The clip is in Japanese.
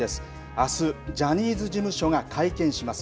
あす、ジャニーズ事務所が会見します。